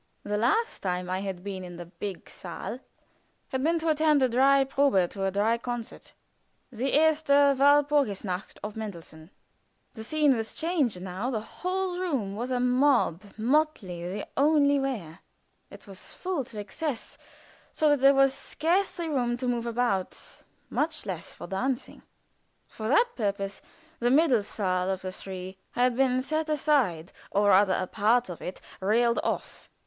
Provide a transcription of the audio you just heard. The last time I had been in the big saal had been to attend a dry probe to a dry concert the "Erste Walpurgisnacht" of Mendelssohn. The scene was changed now; the whole room was a mob "motley the only wear." It was full to excess, so that there was scarcely room to move about, much less for dancing. For that purpose the middle saal of the three had been set aside, or rather a part of it railed off.